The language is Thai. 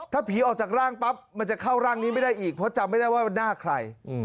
ถ้าผีออกจากร่างปั๊บมันจะเข้าร่างนี้ไม่ได้อีกเพราะจำไม่ได้ว่าหน้าใคร